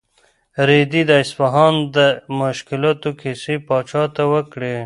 رېدي د اصفهان د مشکلاتو کیسې پاچا ته وکړې.